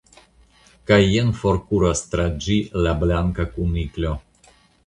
kaj jen forkuras tra ĝi la Blanka Kuniklo.